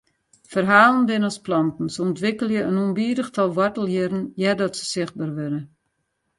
Ferhalen binne as planten, se ûntwikkelje in ûnbidich tal woartelhierren eardat se sichtber wurde.